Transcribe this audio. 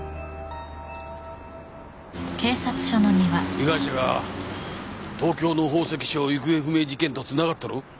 被害者が東京の宝石商行方不明事件とつながっとる？